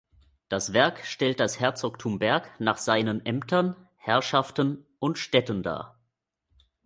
Das Werk stellt das Herzogtum Berg nach seinen Ämtern, Herrschaften und Städten dar.